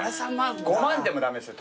５万でも駄目ですよ。